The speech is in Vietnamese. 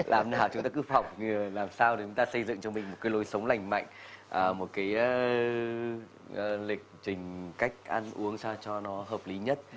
làm thế nào chúng ta cứ phỏng làm sao để chúng ta xây dựng cho mình một cái lối sống lành mạnh một cái lịch trình cách ăn uống sao cho nó hợp lý nhất